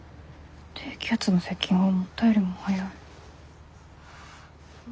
低気圧の接近が思ったよりも早い。